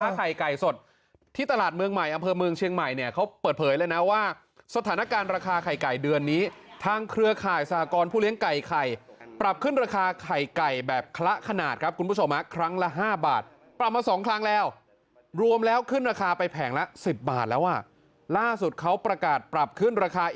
ไข่ไก่สดที่ตลาดเมืองใหม่อำเภอเมืองเชียงใหม่เนี่ยเขาเปิดเผยเลยนะว่าสถานการณ์ราคาไข่ไก่เดือนนี้ทางเครือข่ายสหกรผู้เลี้ยงไก่ไข่ปรับขึ้นราคาไข่ไก่แบบคละขนาดครับคุณผู้ชมครั้งละ๕บาทปรับมาสองครั้งแล้วรวมแล้วขึ้นราคาไปแผงละ๑๐บาทแล้วอ่ะล่าสุดเขาประกาศปรับขึ้นราคา